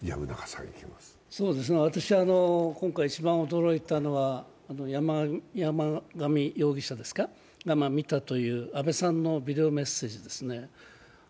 私は今回、一番驚いたのは山上容疑者が見たという安倍さんのビデオメッセージですね。